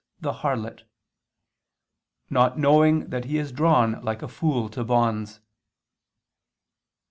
the harlot ... "not knowing that he is drawn like a fool to bonds."